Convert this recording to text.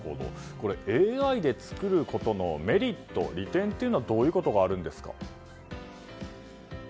ＡＩで作ることのメリットはどういうことがあるんですか？